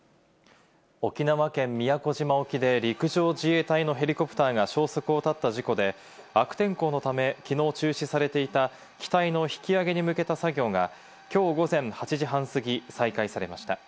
沖縄県宮古島沖で陸上自衛隊のヘリコプターが消息を絶った事故で、悪天候のため、昨日中止されていた機体の引き揚げに向けた作業が今日午前８時半過ぎ、再開されました。